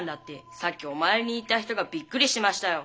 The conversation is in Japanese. さっきお参りに行った人がびっくりしてましたよ。